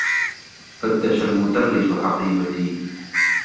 فتّش المدرّس حقيبتي.